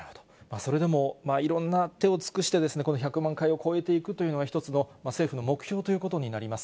それでも、いろんな手を尽くして、この１００万回を超えていくというのが、一つの政府の目標ということになります。